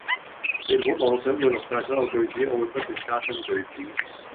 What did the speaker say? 你唔好妄想會錄晒所有句子，我會不斷加新句子